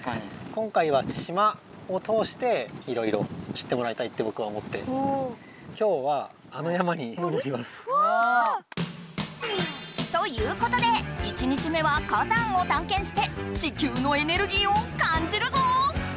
今回は島を通していろいろ知ってもらいたいってぼくは思ってわ！ということで１日目は火山を探検して地球のエネルギーを感じるぞ！